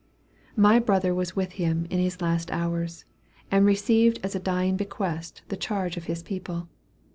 My brother was with him in his latest hours, and received as a dying bequest the charge of his people.